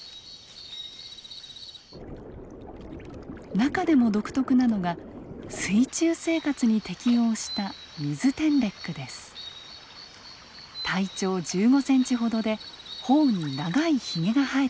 中でも独特なのが水中生活に適応した体長１５センチほどで頬に長いヒゲが生えています。